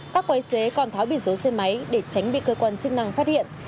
các quay xế còn tháo biển số xe máy để tránh bị cơ quan chức năng phát hiện